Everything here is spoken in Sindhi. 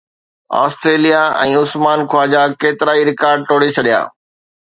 اسٽريليا ۽ عثمان خواجا ڪيترائي رڪارڊ ٽوڙي ڇڏيا